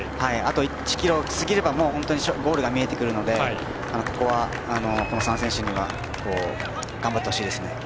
あと、１ｋｍ過ぎれば本当にゴールが見えてくるのでここは、この３選手には頑張ってほしいです。